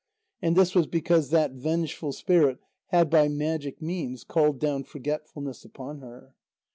And this was because that vengeful spirit had by magic means called down forgetfulness upon her.